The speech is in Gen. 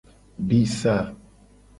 Di sa.